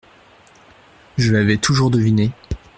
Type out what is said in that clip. Je l'avais toujours deviné.